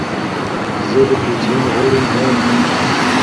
زه د پي ټي ایم غړی نه یم